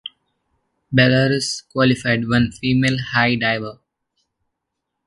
Belarus qualified one female high diver.